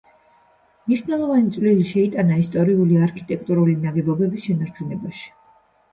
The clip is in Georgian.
მნიშვნელოვანი წვლილი შეიტანა ისტორიული არქიტექტორული ნაგებობების შენარჩუნებაში.